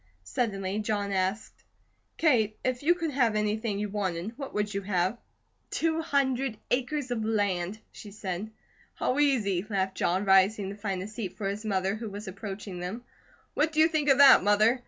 Suddenly John asked: "Kate, if you could have anything you wanted, what would you have?" "Two hundred acres of land," she said. "How easy!" laughed John, rising to find a seat for his mother who was approaching them. "What do you think of that, Mother?